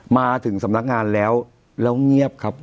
มาถึงสำนักงานแล้วแล้วเงียบครับ